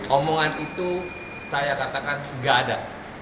omongan itu saya katakan nggak ada